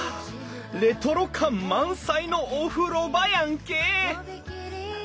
レトロ感満載のお風呂場やんけ！